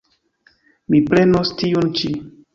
Mi prenos tiun ĉi.